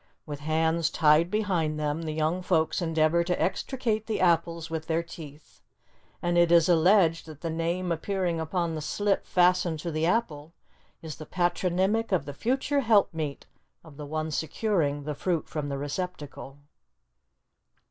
With hands tied behind them the young folks endeavor to extricate the apples with their teeth, and it is alleged that the name appearing upon the slip fastened to the apple is the patronymic of the future helpmeet of the one securing the fruit from the receptacle.